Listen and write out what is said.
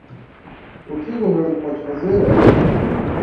O que o governo pode fazer é